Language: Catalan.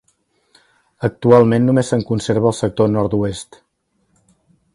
Actualment només se'n conserva el sector nord-oest.